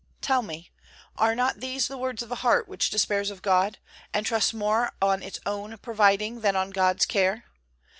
Tell me, are not these the words of a heart which despairs of God, and trusts more on its own providing than on God's care?